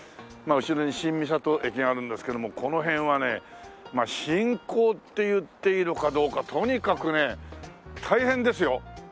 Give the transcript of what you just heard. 後ろに新三郷駅があるんですけどもこの辺はね振興って言っていいのかどうかとにかくね大変ですよ。